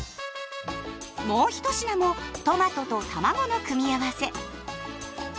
もう１品もトマトとたまごの組み合わせ。